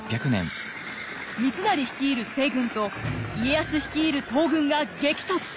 三成率いる西軍と家康率いる東軍が激突！